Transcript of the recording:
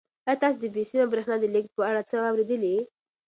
آیا تاسو د بې سیمه بریښنا د لېږد په اړه څه اورېدلي؟